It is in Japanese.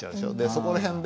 そこら辺で。